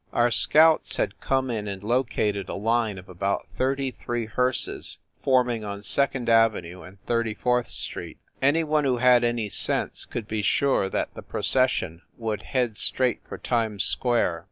Our scouts had come in and located a line of about thir ty three hearses forming on Second avenue and Thirty fourth street. Anyone who had any sense could be sure that that procession would head straight for Times Square.